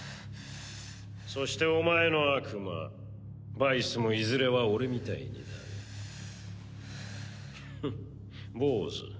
そしてお前の悪魔バイスもいずれは俺みたいになる。